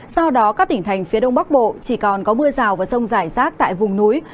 do đó các tỉnh thành phía đông bắc bộ chỉ còn có mưa rào và rông rải rác tại vùng núi